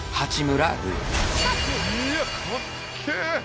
いやかっけえ！